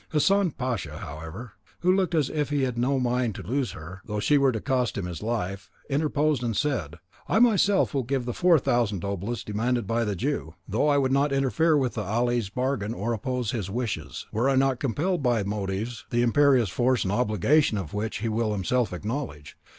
Hassan Pasha, however, who looked as if he had no mind to lose her, though she were to cost him his life, interposed and said, "I myself will give the four thousand doblas demanded by the Jew, though I would not interfere with Ali's bargain or oppose his wishes, were I not compelled by motives the imperious force and obligation of which he will himself acknowledge.